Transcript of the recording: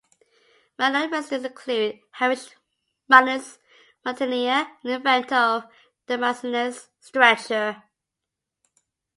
Well known residents include Hamish MacInnes, mountaineer and inventor of the MacInnes Stretcher.